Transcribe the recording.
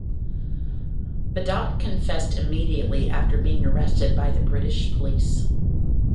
Badat confessed immediately after being arrested by the British police.